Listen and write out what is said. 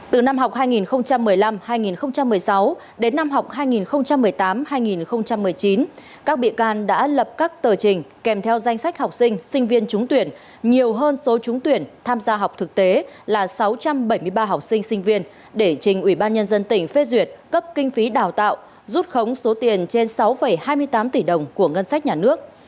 từ năm học hai nghìn một mươi năm hai nghìn một mươi sáu đến năm học hai nghìn một mươi tám hai nghìn một mươi chín các bị can đã lập các tờ trình kèm theo danh sách học sinh sinh viên trúng tuyển nhiều hơn số trúng tuyển tham gia học thực tế là sáu trăm bảy mươi ba học sinh sinh viên để trình ubnd tỉnh phê duyệt cấp kinh phí đào tạo rút khống số tiền trên sáu hai mươi tám tỷ đồng của ngân sách nhà nước